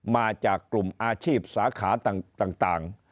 มาจากกลุ่มอาชีพสาขาต่าง